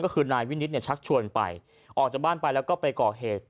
ก็คือนายวินิตเนี่ยชักชวนไปออกจากบ้านไปแล้วก็ไปก่อเหตุ